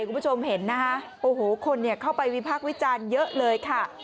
คุณผู้ชมเห็นนะคะโอ้โหคนเข้าไปวิพักษ์วิจารณ์เยอะเลยค่ะ